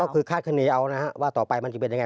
ก็คือคาดคณีเอานะฮะว่าต่อไปมันจะเป็นยังไง